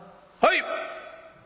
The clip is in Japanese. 「はい！」。